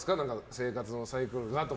生活のサイクルがとか？